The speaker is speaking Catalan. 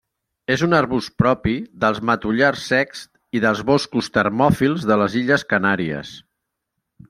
És un arbust propi dels matollars secs i dels boscos termòfils de les Illes Canàries.